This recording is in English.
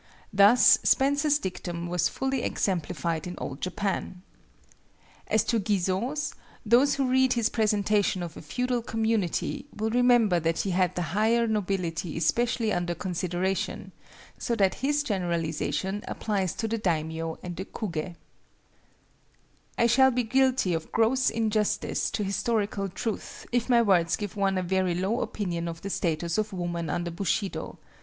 Thus Spencer's dictum was fully exemplified in Old Japan. As to Guizot's, those who read his presentation of a feudal community will remember that he had the higher nobility especially under consideration, so that his generalization applies to the daimio and the kugé. I shall be guilty of gross injustice to historical truth if my words give one a very low opinion of the status of woman under Bushido.